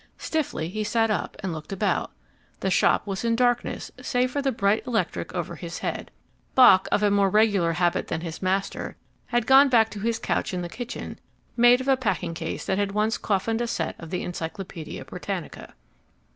Stiffly he sat up and looked about. The shop was in darkness save for the bright electric over his head. Bock, of more regular habit than his master, had gone back to his couch in the kitchen, made of a packing case that had once coffined a set of the Encyclopaedia Britannica.